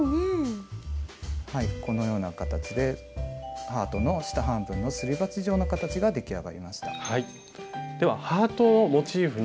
このような形でハートの下半分のすり鉢状の形が出来上がりました。